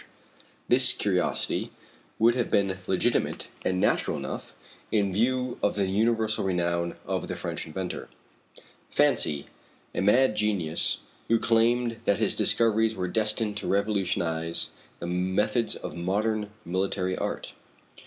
This curiosity would have been legitimate and natural enough in view of the universal renown of the French inventor. Fancy a mad genius who claimed that his discoveries were destined to revolutionize the methods of modern military art!